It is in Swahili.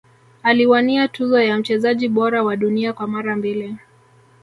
aliwania tuzo ya mchezaji bora wa dunia kwa mara mbili